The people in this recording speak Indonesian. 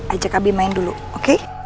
ajak abi main dulu oke